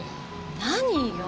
何よ？